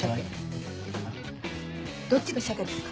どっちが鮭ですか？